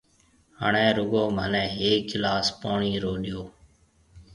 هڻيَ رُگو مهنَي هيڪ گلاس پوڻِي رو ڏيو۔